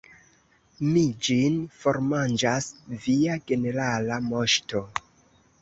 Mi ĝin formanĝas, Via Generala Moŝto.